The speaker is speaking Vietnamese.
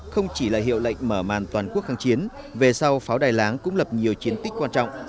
không chỉ là hiệu lệnh mở màn toàn quốc kháng chiến về sau pháo đài láng cũng lập nhiều chiến tích quan trọng